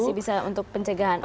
masih bisa untuk pencegahan